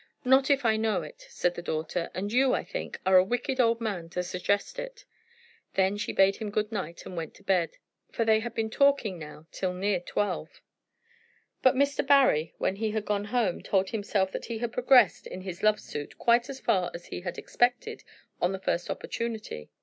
"Not if I know it," said the daughter; "and you, I think, are a wicked old man to suggest it." Then she bade him good night and went to bed, for they had been talking now till near twelve. But Mr. Barry, when he had gone home, told himself that he had progressed in his love suit quite as far as he had expected on the first opportunity.